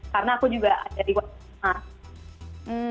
karena aku juga ada di watermark